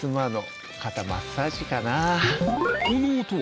この音は？